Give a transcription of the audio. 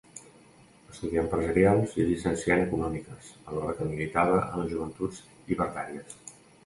Estudià empresarials i es llicencià en econòmiques, alhora que militava en les Joventuts Llibertàries.